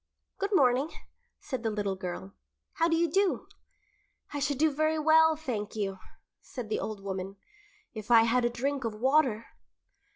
"Good morning," said the little girl. "How do you do?" "I should do very well, thank you," said the old woman, "if I had a drink of water."